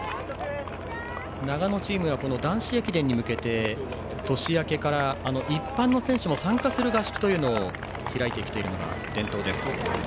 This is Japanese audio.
長野チームはこの男子駅伝に向けて年明けから一般の選手も参加する合宿を開いているというのが伝統です。